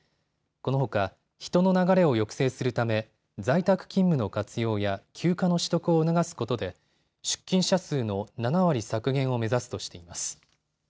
このほか人の流れを抑制するため在宅勤務の活用や、休暇の取得を促すことで出勤者数の７割削減を目指すとしています。